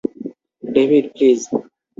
David, please!